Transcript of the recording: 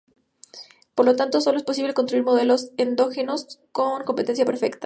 Por lo tanto, sólo es posible construir modelos endógenos con competencia perfecta.